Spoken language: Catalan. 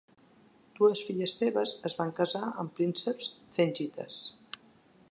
Dues filles seves es van casar amb prínceps zengites.